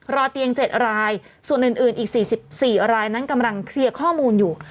รอเตียง๗รายส่วนอื่นอีก๔๔รายนั้นกำลังเคลียร์ข้อมูลอยู่